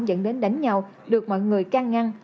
dẫn đến đánh nhau được mọi người can ngăn